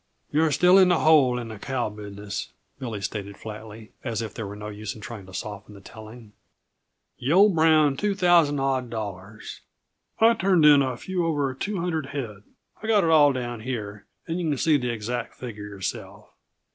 "You're still in the hole on the cow business," Billy stated flatly, as if there were no use in trying to soften the telling. "Yuh owe Brown two thousand odd dollars. I turned in a few over two hundred head I've got it all down here, and yuh can see the exact figure yourself.